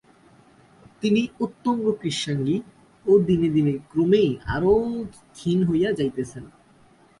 তিনি অত্যঙ্গ কৃশাঙ্গী ও দিনে দিনে ক্রমেই আরও ক্ষীণ হইয়া যাইতেছেন।